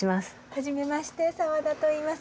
はじめまして沢田といいます。